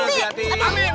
siapa di bawah